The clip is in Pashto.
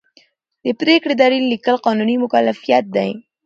د پرېکړې دلیل لیکل قانوني مکلفیت دی.